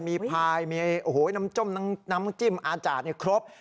มีพลายน้ำจ้มน้ำจิ้มอาจารย์ครบ